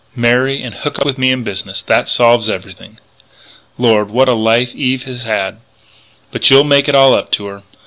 Marry, and hook up with me in business. That solves everything.... Lord! what a life Eve has had! But you'll make it all up to her